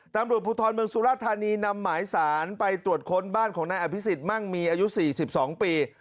ตำรวจภูทรเมืองสุรธานีนำหมายสารไปตรวจค้นบ้านของนายอภิษฎมั่งมีอายุ๔๒ปี